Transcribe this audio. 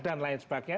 dan lain sebagainya